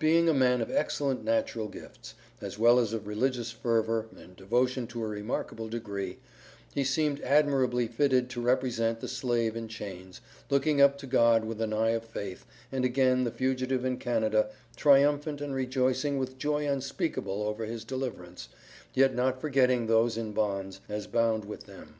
Being a man of excellent natural gifts, as well as of religious fervor and devotion to a remarkable degree, he seemed admirably fitted to represent the slave in chains, looking up to God with an eye of faith, and again the fugitive in Canada triumphant and rejoicing with joy unspeakable over his deliverance, yet not forgetting those in bonds, as bound with them.